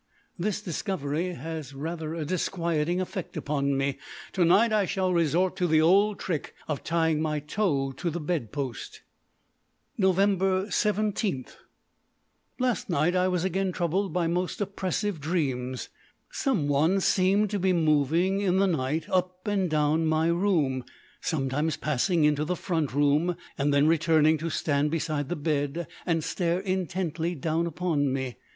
This discovery has rather a disquieting effect upon me. Tonight I shall resort to the old trick of tying my toe to the bed post. Nov. 17. Last night I was again troubled by most oppressive dreams. Someone seemed to be moving in the night up and down my room, sometimes passing into the front room, and then returning to stand beside the bed and stare intently down upon me.